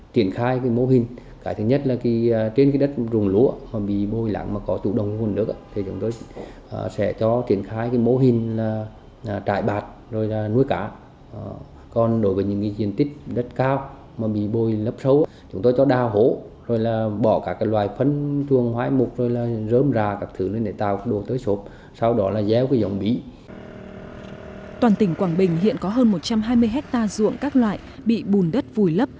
toàn tỉnh quảng bình hiện có hơn một trăm hai mươi hectare ruộng các loại bị bùn đất vùi lấp